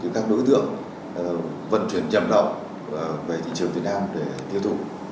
các đối tượng vận chuyển nhập lậu về thị trường việt nam để tiêu thụ